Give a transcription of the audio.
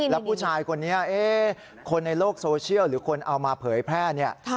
แล้วผู้ชายคนนี้คนในโลกโซเชียลหรือคนเอามาเผยแพร่เนี่ย